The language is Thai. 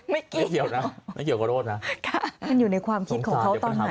ไม่เกี่ยวนะไม่เกี่ยวกับโรธนะค่ะมันอยู่ในความคิดของเขาตอนไหน